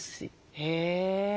へえ。